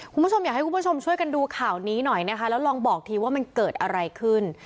คุณผู้ชมอยากให้คุณผู้ชมช่วยกันดูข่าวนี้หน่อยนะคะแล้วลองบอกทีว่ามันเกิดอะไรขึ้น